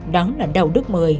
đó là đầu đức một mươi